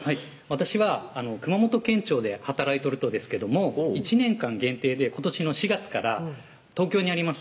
私は熊本県庁で働いとるとですけども１年間限定で今年の４月から東京にあります